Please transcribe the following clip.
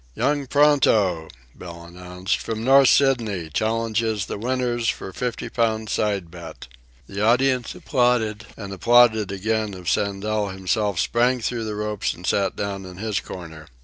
"Young Pronto," Bill announced, "from North Sydney, challenges the winner for fifty pounds side bet." The audience applauded, and applauded again as Sandel himself sprang through the ropes and sat down in his corner.